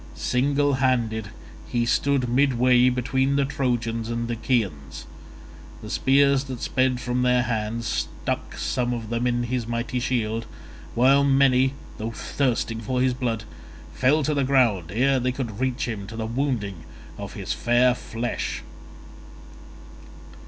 Single handed he stood midway between the Trojans and Achaeans: the spears that sped from their hands stuck some of them in his mighty shield, while many, though thirsting for his blood, fell to the ground ere they could reach him to the wounding of his fair flesh.